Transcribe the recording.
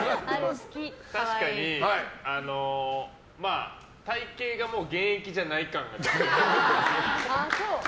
確かに体形がもう現役じゃない感が。